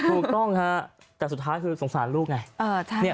ถูกต้องฮะแต่สุดท้ายคือสงสารลูกไง